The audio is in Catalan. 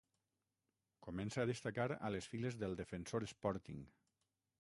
Comença a destacar a les files del Defensor Sporting.